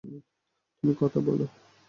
তুমি কথা বলো?